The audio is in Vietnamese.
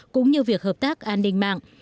cũng như việc hợp tác an ninh mạng